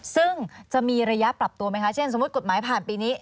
ซึ่งจะมีระยะปรับตัวไหมคะเช่นสมมุติกฎหมายผ่านปีนี้